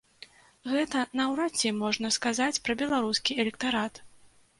Гэта наўрад ці можна сказаць пра беларускі электарат.